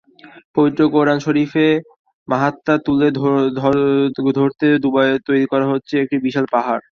পবিত্র কোরআন শরিফের মাহাত্ম তুলে ধরতে দুবাইয়ে তৈরি করা হচ্ছে একটি বিশাল পার্ক।